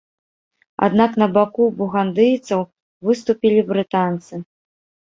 Аднак на баку бугандыйцаў выступілі брытанцы.